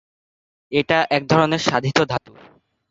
এটা এক ধরনের সাধিত ধাতু।